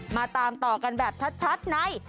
มาตามต่อกันแบบชัดใน